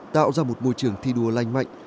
tạo ra một môi trường thi đua lành mạnh